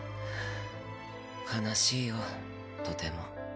悲しいよとても。